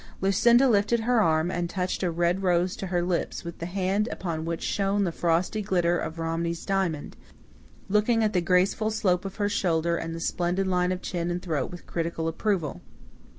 Lucinda lifted her arm and touched a red rose to her lips with the hand upon which shone the frosty glitter of Romney's diamond, looking at the graceful slope of her shoulder and the splendid line of chin and throat with critical approval.